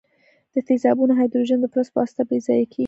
د تیزابونو هایدروجن د فلز په واسطه بې ځایه کیږي.